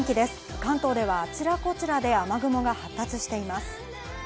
関東では、あちらこちらで雨雲が発達しています。